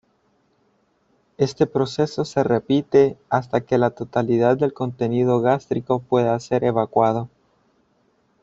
Este proceso se repite hasta que la totalidad del contenido gástrico pueda ser evacuado.